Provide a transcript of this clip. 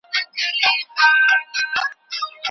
خدای خبر چي بیا پیدا کړې داسی نر بچی ښاغلی